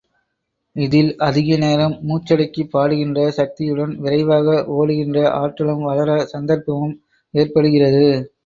இதில் அதிக நேரம் மூச்சடக்கிப் பாடுகின்ற சக்தியுடன், விரைவாக ஒடுகின்ற ஆற்றலும் வளர சந்தர்ப்பமும் ஏற்படுகிறது.